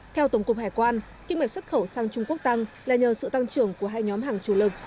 theo tổng cục hải quan kinh mệnh xuất khẩu sang trung quốc tăng là nhờ sự tăng trưởng của hai nhóm hàng chủ lực